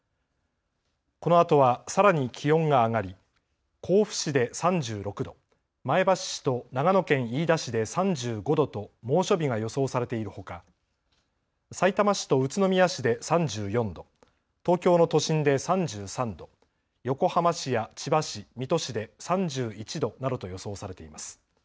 このあとはさらに気温が上がり甲府市で３６度、前橋市と長野県飯田市で３５度と猛暑日が予想されているほか、さいたま市と宇都宮市で３４度、東京の都心で３３度、横浜市や千葉市、水戸市で３１度などと予想されています。